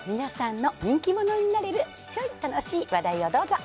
皆さんの人気者になれるちょい楽しい話題をどうぞ。